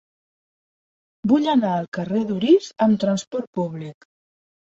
Vull anar al carrer d'Orís amb trasport públic.